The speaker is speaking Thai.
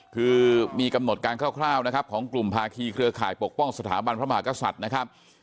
คือมีกำหนดการคร่าวนะครับของกลุ่มภาคีเครือข่ายปกป้องสถาบันพระมหากษัตริย์นะครับ